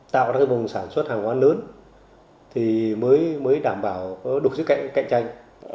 tạo ra cái vùng sản xuất hàng quán lớn thì mới đảm bảo có đủ sức cạnh tranh